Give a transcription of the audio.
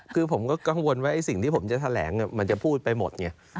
คือผมก็กังวลว่าไอ้สิ่งที่ผมจะแถลงมันจะพูดไปหมดไง